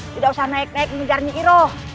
tidak usah naik naik mengejar nyi iroh